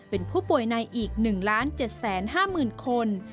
เป็นผู้ป่วยในอีก๑๗๕๐๐๐คน